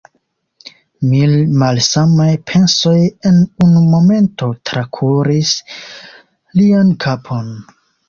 Mil malsamaj pensoj en unu momento trakuris lian kapon.